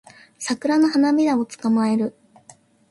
サクラの花びらを捕まえる